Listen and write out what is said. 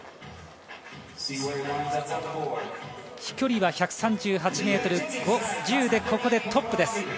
飛距離は１３８ｍ５０でここでトップです。